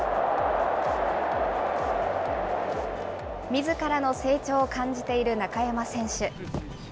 みずからの成長を感じている中山選手。